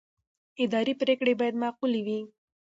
اداري پرېکړې باید معقولې وي.